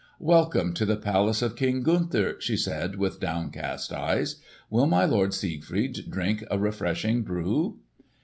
"Welcome to the palace of King Gunther!" she said with downcast eyes. "Will my lord Siegfried drink a refreshing brew?"